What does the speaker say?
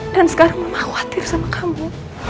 dan sekarang mama khawatir sama kamu